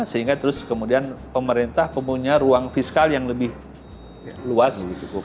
sehingga terus kemudian pemerintah punya ruang fiskal yang lebih luas